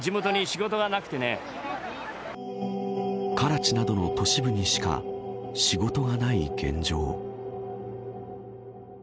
カラチなどの都市部にしか仕事がない現状。